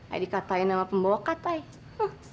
ayu dikatain sama pembokat ayu